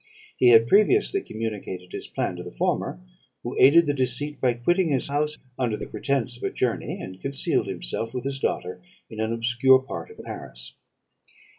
He had previously communicated his plan to the former, who aided the deceit by quitting his house, under the pretence of a journey, and concealed himself, with his daughter, in an obscure part of Paris.